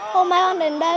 hôm nay con đến đây